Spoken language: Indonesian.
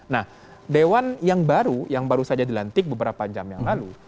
nah dewan yang baru yang baru saja dilantik beberapa jam yang lalu